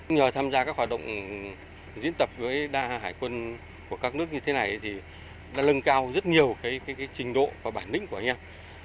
nhờ tham gia các hoạt động diễn tập với đa hải quân của các nước như thế này thì đã lưng cao rất nhiều trình độ và bản lĩnh của anh em